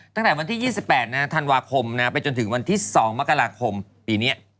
ตั้งแต่วันที่๒๘ธันวาคมไปจนถึงวันที่๒มกราคมปีนี้